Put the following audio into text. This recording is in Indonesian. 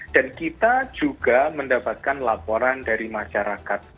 dan kita juga mendapatkan laporan dari masyarakat